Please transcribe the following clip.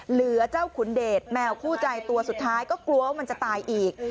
เหลือเจ้าขุนเดชแมวคู่ใจตัวสุดท้ายก็กลัวว่ามันจะตายอีก